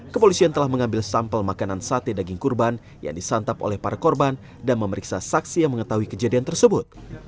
kepolisian telah mengambil sampel makanan sate daging kurban yang disantap oleh para korban dan memeriksa saksi yang mengetahui kejadian tersebut